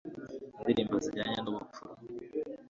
indirimbo zijyanye n'ubupfura